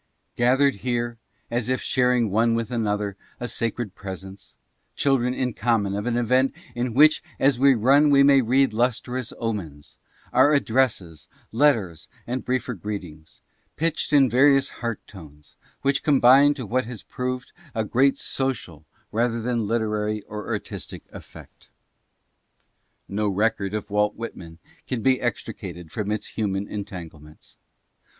Gathered here, as if sharing one with another a sacred pres ence — children in common of an event in which as we run we may read lustrous omens — are addresses, letters and briefer greetings, pitched in various heart tones, which combine to what has proved a great social rather than literary or artistic ejfect. No record of Walt Whitman can be extricated from its human entanglements.